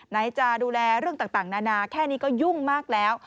ไหนจะดูแลเรื่องต่างนานาแค่นี้ก็ยุ่งมากแล้ว